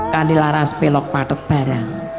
kandilaras belok padet barang